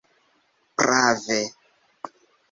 prave